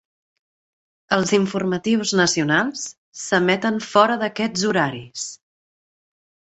Els informatius nacionals s'emeten fora d'aquests horaris.